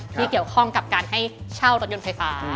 ที่เกี่ยวข้องกับการให้เช่ารถยนต์ไฟฟ้า